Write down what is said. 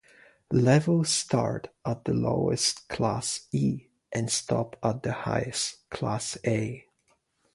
Levels start at the lowest, Class E, and stop at the highest, Class A.